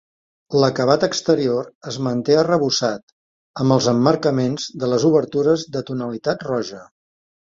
L'acabat exterior es manté arrebossat, amb els emmarcaments de les obertures de tonalitat roja.